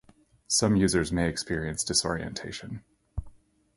Some users may experience disorientation.